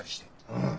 うん。